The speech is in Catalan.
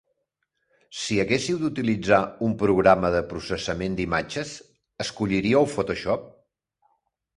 Si haguéssiu d'utilitzar un programa de processament d'imatges, escolliríeu Photoshop?